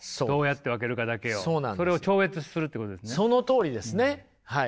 そのとおりですねはい。